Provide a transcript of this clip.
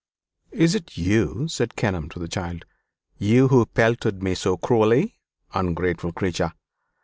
"Is it you?" said Kenelm to the child "you who pelted me so cruelly? Ungrateful creature!